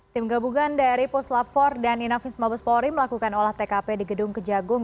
tim gabungan dari puslap empat dan inafis mabes polri melakukan olah tkp di gedung kejagung